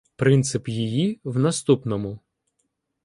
Принцип її в наступному.